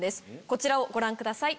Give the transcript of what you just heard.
こちらをご覧ください。